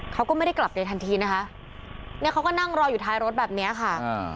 เขาก็ไม่ได้กลับเลยทันทีนะคะเนี่ยเขาก็นั่งรออยู่ท้ายรถแบบเนี้ยค่ะอ่า